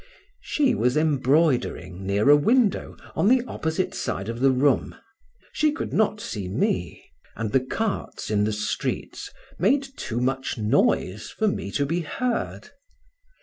She was embroidering near a window on the opposite side of the room; she could not see me; and the carts in the streets made too much noise for me to be heard.